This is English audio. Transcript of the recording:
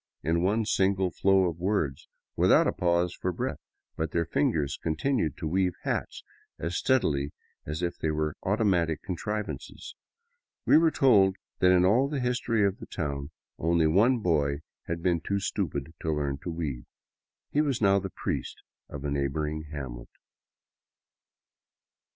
in one single flow of words, without a pause for breath, but their fingers continued to weave hats as steadily as if they were automatic contrivances. We were told that in all the history of the town only one boy had been too stupid to learn to weave. He was now the priest of a neighboring hamlet.